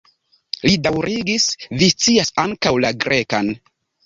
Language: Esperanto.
Li daŭrigis: "Vi scias ankaŭ la Grekan?"